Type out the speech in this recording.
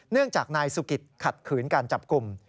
เนื่องจากนายสุกิตขัดขืนการจับกลุ่ม